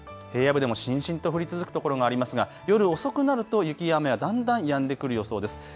平野部でもしんしんと降り続くところもありますが夜遅くなると雪や雨がだんだんやんでくる予想です。